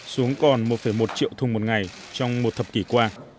xuống còn một một triệu thùng một ngày trong một thập kỷ qua